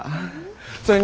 それにね